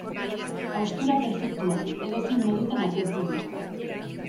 Haustura perfektua du, edozein modutan apurtzen da.